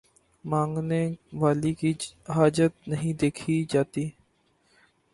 مانگنے والے کی حاجت نہیں دیکھی جاتی